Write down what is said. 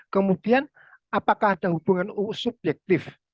kemudian apakah ada hubungan subjektif